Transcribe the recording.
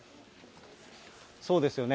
そうですよね。